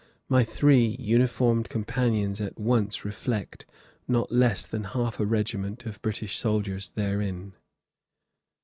My three uniformed companions at once reflect not less than half a regiment of British soldiers therein.